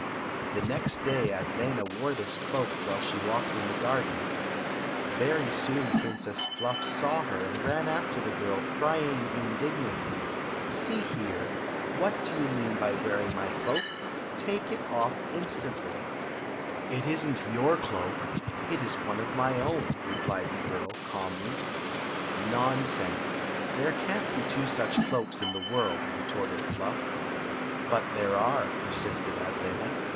The next day Adlena wore this cloak while she walked in the garden. Very soon Princess Fluff saw her and ran after the girl, crying indignantly :" See " It is n't your cloak. It is one of my own," re plied the girl, calmly. " Nonsense ! There can't be two such cloaks in the world," retorted Fluff. " But there are," persisted Adlena.